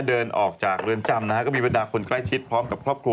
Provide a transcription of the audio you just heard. เดินออกจากเรือนจำนะฮะก็มีบรรดาคนใกล้ชิดพร้อมกับครอบครัว